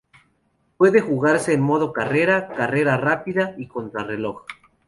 Puede jugarse en modo carrera, carrera rápida y contrarreloj.